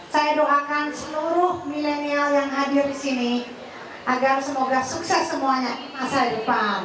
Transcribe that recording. saya doakan seluruh milenial yang hadir di sini agar semoga sukses semuanya di masa depan